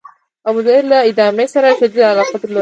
ابوزید له ادامې سره شدیده علاقه درلوده.